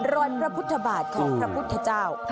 รอยพระพุทธบาทของพระพุทธเจ้า